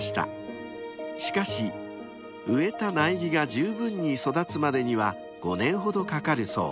［しかし植えた苗木が十分に育つまでには５年ほどかかるそう］